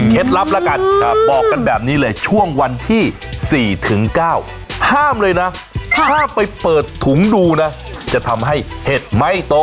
ลับแล้วกันบอกกันแบบนี้เลยช่วงวันที่๔ถึง๙ห้ามเลยนะห้ามไปเปิดถุงดูนะจะทำให้เห็ดไม่โต